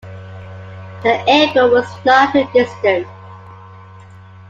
The airport was not too distant.